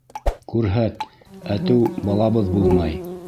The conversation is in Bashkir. — Күрһәт, әтеү балабыҙ булмай.